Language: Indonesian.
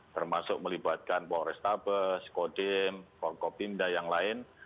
termasuk melibatkan bawang restabe skodim kogobinda yang lain